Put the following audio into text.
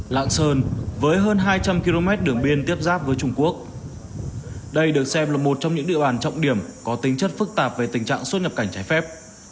lạng sơn với hơn hai trăm linh km đường biên tiếp giáp với trung quốc đây được xem là một trong những địa bàn trọng điểm có tính chất phức tạp về tình trạng xuất nhập cảnh trái phép